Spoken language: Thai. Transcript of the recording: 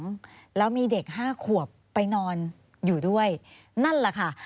ควิทยาลัยเชียร์สวัสดีครับ